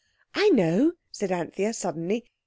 "I know," said Anthea suddenly.